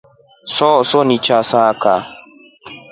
Sohosuni chasaka.